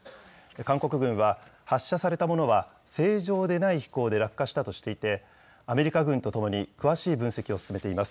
韓国軍は発射されたものは、正常でない飛行で落下したとしていて、アメリカ軍とともに、詳しい分析を進めています。